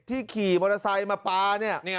ขี่มอเตอร์ไซค์มาปลาเนี่ย